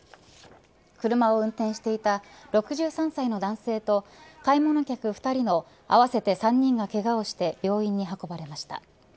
車を運転していた６３歳の男性と買い物客２人の合わせて３人がけがをして病院に運ばれました。